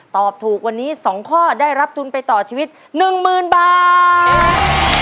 ตอบถูกวันนี้สองข้อได้รับทุนไปต่อชีวิตหนึ่งมืนบาท